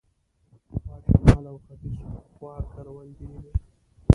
پخوا شمال او ختیځ خوا کروندې وې.